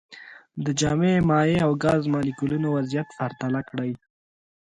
د جامد، مایع او ګاز مالیکولونو وضعیت پرتله کړئ.